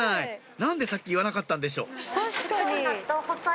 何でさっき言わなかったんでしょう？